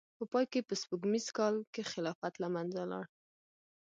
په پای کې په سپوږمیز کال کې خلافت له منځه لاړ.